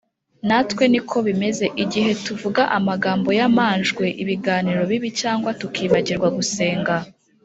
Natwe niko bimeze; igihe tuvuga amagambo y’amanjwe, ibiganiro bibi, cyangwa tukibagirwa gusenga